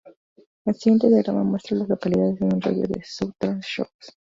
El siguiente diagrama muestra a las localidades en un radio de de Southern Shops.